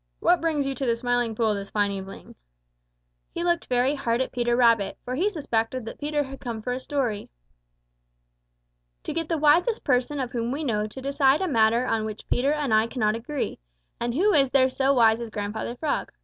"What brings you to the Smiling Pool this fine evening?" He looked very hard at Peter Rabbit, for he suspected that Peter had come for a story. "To get the wisest person of whom we know to decide a matter on which Peter and I cannot agree; and who is there so wise as Grandfather Frog?"